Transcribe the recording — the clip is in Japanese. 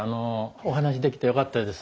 お話しできてよかったです。